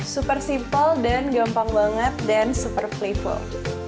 super simple dan gampang banget dan super playful